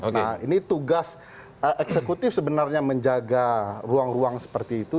nah ini tugas eksekutif sebenarnya menjaga ruang ruang seperti itu